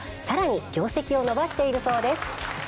さらに業績を伸ばしているそうです